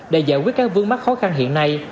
để giải quyết các vướng mắc khó khăn hiện nay